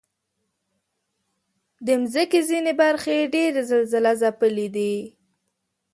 د مځکې ځینې برخې ډېر زلزلهځپلي دي.